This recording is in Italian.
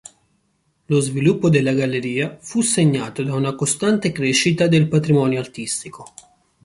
Lo sviluppo della Galleria fu segnato da una costante crescita del patrimonio artistico.